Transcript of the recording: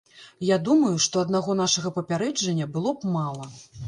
Я думаю, што аднаго нашага папярэджання было б мала.